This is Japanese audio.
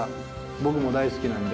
僕も大好きなんで。